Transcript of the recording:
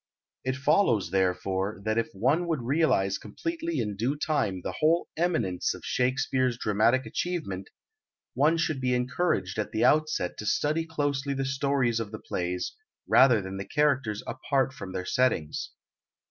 It follows, therefore, that if one would realise completely in due time the whole eminence of Shakespeare's dramatic achievement, one should be encouraged at the outset to study closely the stories of the plays rather than the characters apart from their settings.